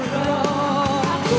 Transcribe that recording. di dalam dada